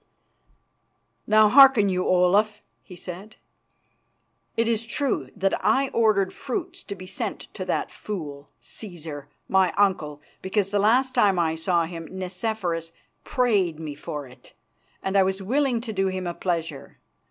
"Now hearken you, Olaf," he said. "It is true that I ordered fruit to be sent to that fool Cæsar, my uncle, because the last time I saw him Nicephorus prayed me for it, and I was willing to do him a pleasure.